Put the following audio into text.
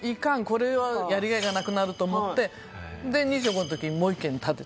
これはやりがいがなくなると思って２５の時にもう１軒建てたの。